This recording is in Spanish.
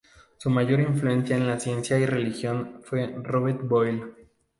Su mayor influencia en ciencia y religión fue Robert Boyle.